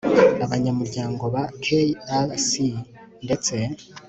abanyamuryango ba k r c ndetse